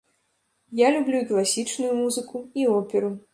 Я люблю і класічную музыку, і оперу.